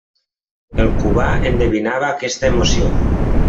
El Cubà endevinava aquesta emoció.